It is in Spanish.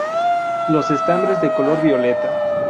Los estambres de color violeta.